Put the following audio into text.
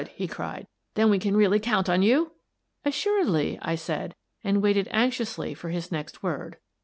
" he cried. " Then we can really count on you? "" Assuredly," said I, and waited anxiously for his next word.